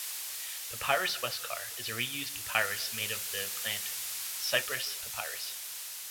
Papyrus Westcar is a reused papyrus made of the plant "Cyperus papyrus".